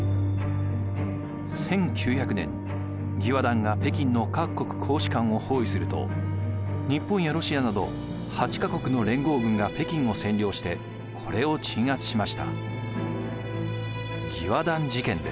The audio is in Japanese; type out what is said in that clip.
１９００年義和団が北京の各国公使館を包囲すると日本やロシアなど８か国の連合軍が北京を占領してこれを鎮圧しました。